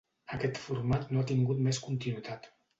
Aquest format no ha tingut més continuïtat.